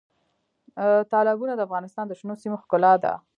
تالابونه د افغانستان د شنو سیمو ښکلا ده.